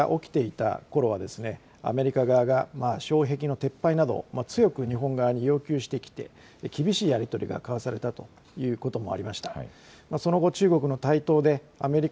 ８０年代、９０年代、日米で自動車や半導体の貿易摩擦が起きていたころは、アメリカ側が障壁の撤廃などを強く日本側に要求してきて、厳しいやり取りが交わされたということもありました。